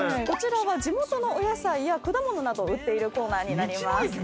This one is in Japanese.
こちらは地元のお野菜や果物などを売っているコーナーになります。